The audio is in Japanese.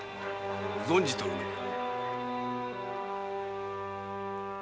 存じておるのか？